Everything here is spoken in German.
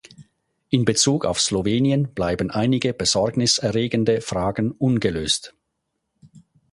In Bezug auf Slowenien bleiben einige Besorgnis erregende Fragen ungelöst.